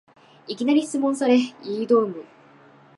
いきなり質問され言いよどむ